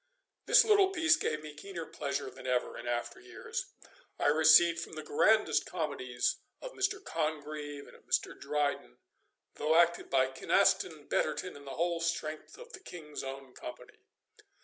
This little piece gave me keener pleasure than ever in after years I received from the grandest comedies of Mr. Congreve and of Mr. Dryden, though acted by Kynaston, Betterton, and the whole strength of the King's own company.